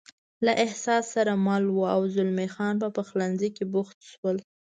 له احساس سره مل و، او زلمی خان په پخلنځي کې بوخت شول.